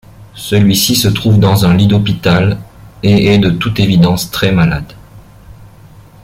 Celui-ci se trouve dans un lit d'hôpital et est de toute évidence très malade.